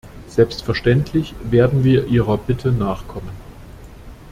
Selbstverständlich werden wir Ihrer Bitte nachkommen.